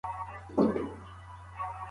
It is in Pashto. ډیودرنټ د خولې بوی کنټرولوي.